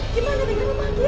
gimana dengan rumah kita